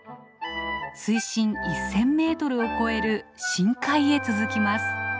水深１，０００メートルを超える深海へ続きます。